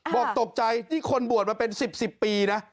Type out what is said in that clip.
บอกตกใจนี่คนบวชมาเป็น๑๐ปีนะ